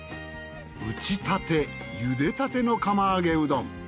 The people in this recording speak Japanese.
打ちたて茹でたての釜揚げうどん。